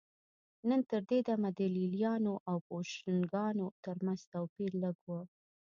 تر دې دمه د لېلیانو او بوشنګانو ترمنځ توپیر لږ و